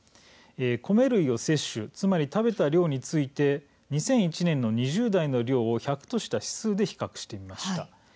米類を摂取、つまり食べた量について２００１年の２０代の量を１００とした指数で比較してみました。